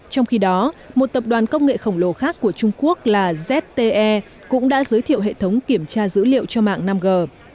trong khi đó một tập đoàn công nghệ khổng lồ khác của trung quốc là zte cũng đã giới thiệu hệ thống kiểm tra dữ liệu cho mạng năm g